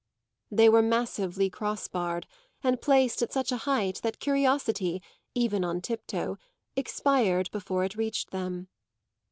They were massively cross barred, and placed at such a height that curiosity, even on tiptoe, expired before it reached them.